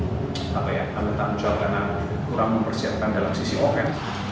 saya akan letakkan jawab karena kurang mempersiapkan dalam sisi oven